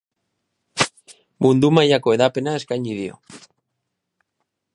Mundu mailako hedapena eskaini dio.